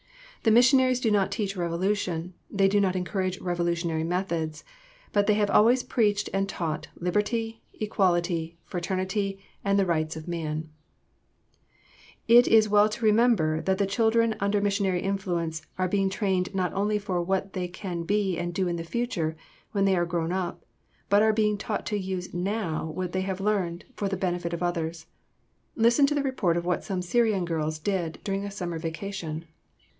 The missionaries do not teach revolution, they do not encourage revolutionary methods; but they have always preached and taught liberty, equality, fraternity, and the rights of man." [Sidenote: Syrian girls at work in summer.] It is well to remember that the children under missionary influence are being trained not only for what they can be and do in the future, when they are grown up, but are being taught to use now what they have learned, for the benefit of others. Listen to the report of what some Syrian girls did during a summer vacation.